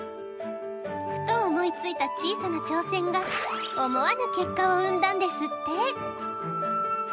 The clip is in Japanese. ふと思いついた小さな挑戦が思わぬ結果を生んだんですって。